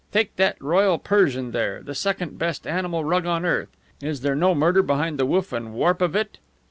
Take that royal Persian there the second best animal rug on earth is there no murder behind the woof and warp of it?